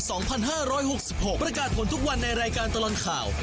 ส่งผลทุกวันในรายการตลอดข่าว